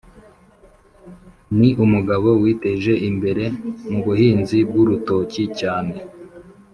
ni umugabo witeje imbere m’ubuhinzi bw’urutoki cyane